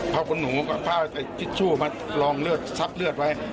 พ่อกลุ่มหนูเอาผ้าชิชชู่มาลองเลือดซับเลือดไว้